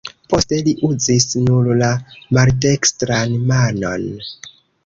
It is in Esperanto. Poste li uzis nur la maldekstran manon.